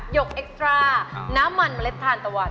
กเอ็กซ่าน้ำมันเมล็ดทานตะวัน